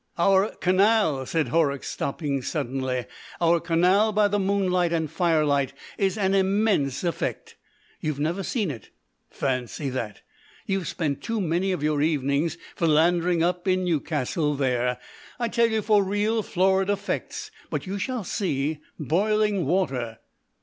"Our canal," said Horrocks, stopping suddenly. "Our canal by moonlight and firelight is an immense effect. You've never seen it? Fancy that! You've spent too many of your evenings philandering up in Newcastle there. I tell you, for real florid effects But you shall see. Boiling water...."